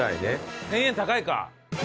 １０００円高いか。